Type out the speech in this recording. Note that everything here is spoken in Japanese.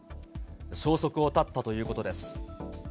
消息を絶ったということです。